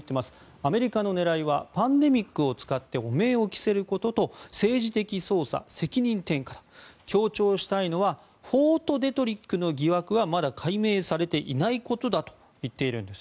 アメリカの狙いはパンデミックを使って汚名を着せることと政治的操作責任転嫁だ強調したいのはフォートデトリックの疑惑はまだ解明されていないことだと言っているんです。